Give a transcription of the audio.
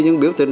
những biểu tình